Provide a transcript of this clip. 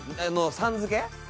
さん付け。